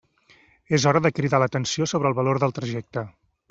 És hora de cridar l'atenció sobre el valor del trajecte.